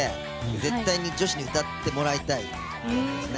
絶対に女子に歌ってもらいたい曲ですね。